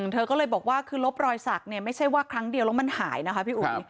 เธอก็เลยบอกว่าคือลบรอยสักเนี่ยไม่ใช่ว่าครั้งเดียวแล้วมันหายนะคะพี่อุ๋ย